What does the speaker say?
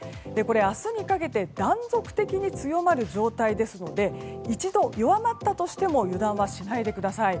明日にかけて断続的に強まる状態ですので一度弱まったとしても油断はしないでください。